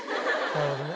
なるほどね。